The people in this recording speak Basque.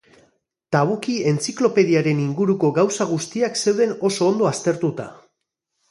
Tabucchi entziklopediaren inguruko gauza guztiak zeuden oso ondo aztertuta.